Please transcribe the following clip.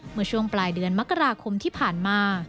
เมื่อช่วงปลายเดือนมกราคมที่ผ่านมา